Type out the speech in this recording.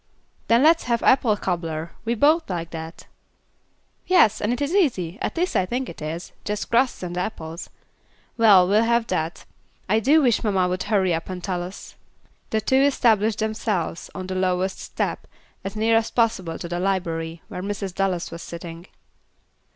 "Then let's have apple 'cobbler;' we both like that." "Yes, and it is easy, at least I think it is, just crust and apples. Well, we'll have that. I do wish mamma would hurry up and tell us." The two established themselves on the lowest step, as near as possible to the library, where Mrs. Dallas was sitting.